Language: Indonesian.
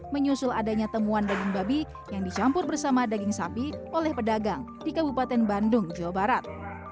menyusul adanya temuan daging babi yang dicampur bersama daging sapi oleh pedagang di kabupaten bandung jawa barat